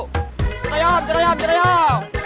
cerayam cerayam cerayam